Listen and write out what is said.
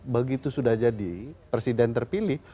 begitu sudah jadi presiden terpilih